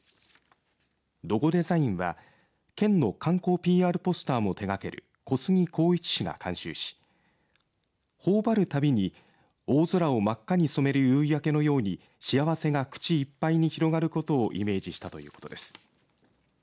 ロゴデザインは県の観光ＰＲポスターも手がける小杉幸一氏が監修しほおばるたびに大空を真っ赤に染める夕焼けのように幸せが口いっぱいに広がることをイメージしたということです。